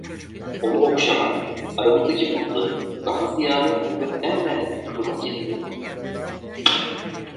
Onu okşamak, aramızdaki buzları, daha ziyade kuvvetlenmeden kırmak istiyordum.